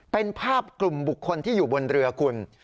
เป็นภาพกลุ่มบุคคลที่อยู่บนเรือคุณ